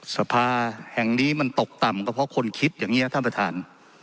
สภาแห่งนี้มันตกต่ำก็เพราะคนคิดอย่างนี้ท่านประธาน